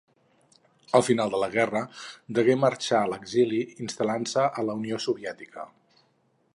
Al final de la guerra degué marxar a l'exili, instal·lant-se a la Unió Soviètica.